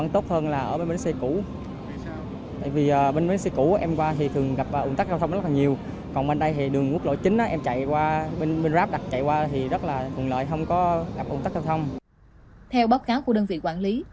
theo báo cáo của đơn vị quản lý